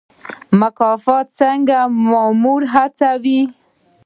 مکافات څنګه مامور هڅوي؟